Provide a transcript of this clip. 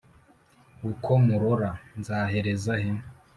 uko murora, nzahereza he’